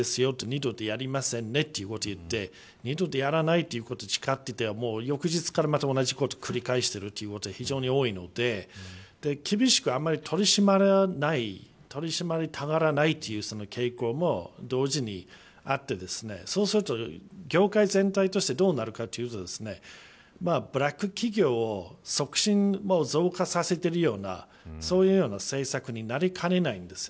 二度とやりませんねと言って二度とやりませんと誓っても翌日からまた同じことを繰り返しているということが非常に多いので厳しく、あんまり取り締まりたがらないという傾向も同時にあってそうすると業界全体としてどうなるかというとブラック企業を促進増加させているようなそういう政策になりかねないんです。